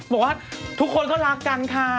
บอกว่าทุกคนก็รักกันค่ะ